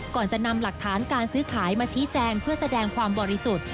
ก่อนจะนำหลักฐานการซื้อขายมาชี้แจงเพื่อแสดงความบริสุทธิ์